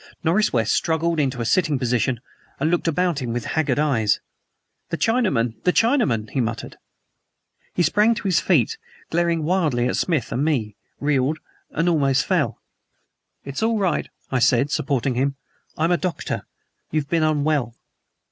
Norris West struggled into a sitting position, and looked about him with haggard eyes. "The Chinamen! The Chinamen!" he muttered. He sprang to his feet, glaring wildly at Smith and me, reeled, and almost fell. "It is all right," I said, supporting him. "I'm a doctor. You have been unwell."